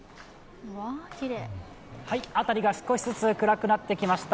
辺りが少しずつ暗くなってきました